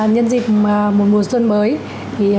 nhân dịp một mùa xuân mới